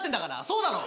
そうだろ！